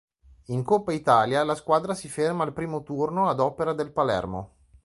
In Coppa Italia la squadra si ferma al primo turno ad opera del Palermo.